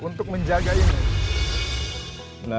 untuk menjaga ini